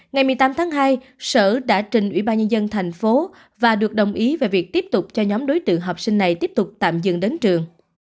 ngày một mươi tám tháng hai sở đã trình ủy ban nhân dân thành phố và được đồng ý về việc tiếp tục cho nhóm đối tượng học sinh này tiếp tục tạm dừng đến trường